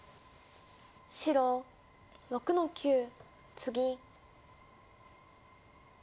白６の九ツギ。